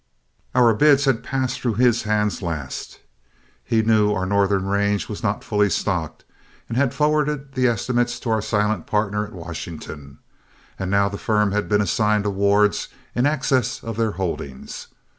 Our bids had passed through his hands last; he knew our northern range was not fully stocked, and had forwarded the estimates to our silent partner at Washington, and now the firm had been assigned awards in excess of their holdings.